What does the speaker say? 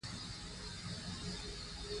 افغانستان په ښارونه غني دی.